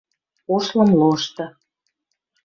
ОШ ЛЫМ ЛОШТЫ